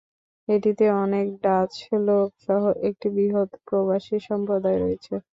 এটিতে অনেক ডাচ লোক সহ একটি বৃহৎ প্রবাসী সম্প্রদায় রয়েছে।